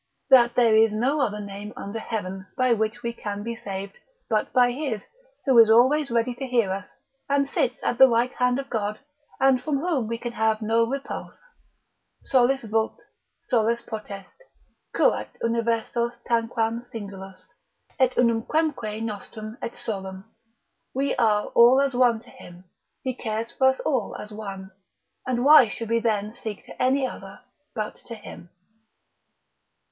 that there is no other name under heaven, by which we can be saved, but by his, who is always ready to hear us, and sits at the right hand of God, and from whom we can have no repulse, solus vult, solus potest, curat universos tanquam singulos, et unumquemque nostrum et solum, we are all as one to him, he cares for us all as one, and why should we then seek to any other but to him.